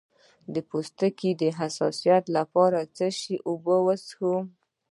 د پوستکي د حساسیت لپاره د څه شي اوبه وکاروم؟